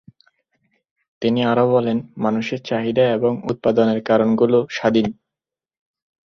তিনি আর বলেন মানুষের চাহিদা এবং উৎপাদনের কারণ গুল স্বাধীন।